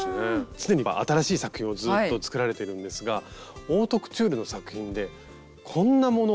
常に新しい作品をずっと作られているんですがオートクチュールの作品でこんなものを作られたということで。